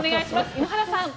井ノ原さん。